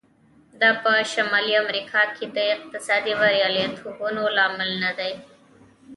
دا په شمالي امریکا کې د اقتصادي بریالیتوبونو لامل نه دی.